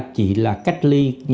chỉ là cách ly